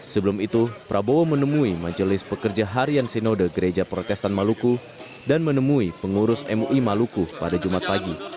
sebelum itu prabowo menemui majelis pekerja harian sinode gereja protestan maluku dan menemui pengurus mui maluku pada jumat pagi